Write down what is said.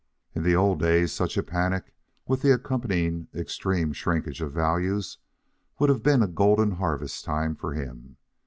In the old days, such a panic, with the accompanying extreme shrinkage of values, would have been a golden harvest time for him.